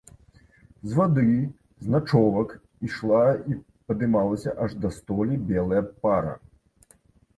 З вады, з начовак, ішла і падымалася аж да столі белая пара.